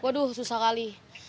waduh susah kali